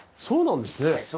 そうなんです。